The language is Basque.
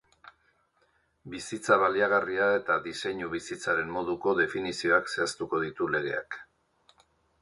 Bizitza baliagarria eta diseinu-bizitzaren moduko definizioak zehaztuko ditu legeak.